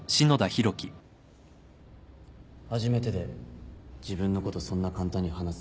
初めてで自分のことそんな簡単に話せない。